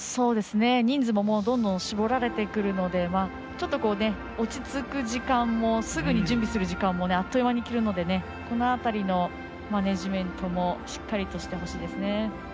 人数もどんどん絞られてくるのでちょっと落ち着く時間もすぐに準備する時間もあっという間にくるのでその辺りのマネージメントしっかりしてほしいですね。